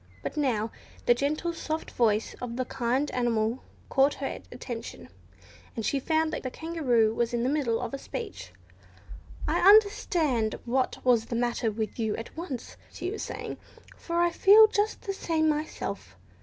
But now the gentle, soft voice of the kind animal caught her attention, and she found the Kangaroo was in the middle of a speech. "I understood what was the matter with you at once," she was saying, "for I feel just the same myself.